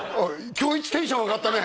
今日一テンション上がったね